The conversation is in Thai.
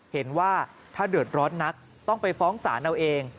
เห็นว่าถ้าเดือดร้อนนักต้องไปฟ้องศาลเอาเอง